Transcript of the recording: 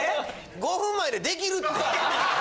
５分前で出来るって。